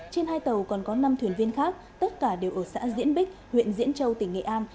trên hai tàu còn có năm thuyền viên khác tất cả đều ở xã diễn bích huyện diễn châu tỉnh nghệ an